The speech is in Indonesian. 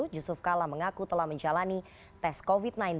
yusuf kala mengaku telah menjalani tes covid sembilan belas